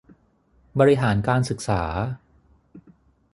บริหารการศึกษา